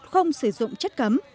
không sử dụng chất cấm